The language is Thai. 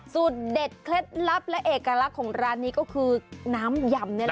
สูตรเด็ดเคล็ดลับและเอกลักษณ์ของร้านนี้ก็คือน้ำยำ